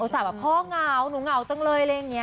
สาปว่าพ่อเหงาหนูเหงาจังเลย